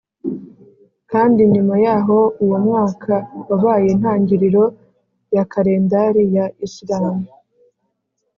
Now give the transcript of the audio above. kandi nyuma yaho uwo mwaka wabaye intangiriro ya kalendari ya isilamu.